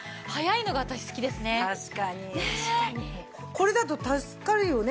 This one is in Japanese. これだと助かるよね。